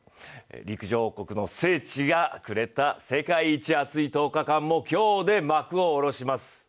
陸上王国の聖地がくれた世界一熱い１０日間も今日で幕を下ろします。